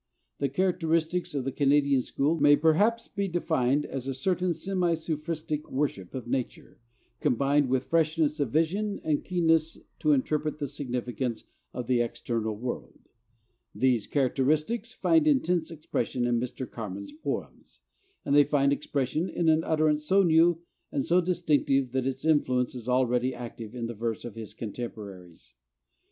The characteristics of the Canadian school may perhaps be defined as a certain semi Sufristic worship of nature, combined with freshness of vision and keenness to interpret the significance of the external world. These characteristics find intense expression in Mr. Carman's poems. And they find expression in an utterance so new and so distinctive that its influence is already active in the verse of his contemporaries.